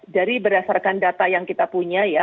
dari berdasarkan data yang kita punya ya